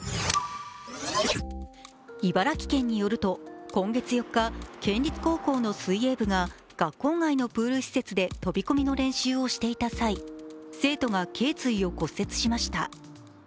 茨城県によると、今月４日、県立高校の水泳部が学校外のプール施設で飛び込みの練習をしていた際生徒がけい椎を骨折しました。